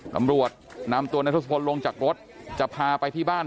ตำรวจนำตัวนายทศพลลงจากรถจะพาไปที่บ้าน